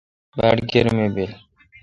باڑ گرمی بیل۔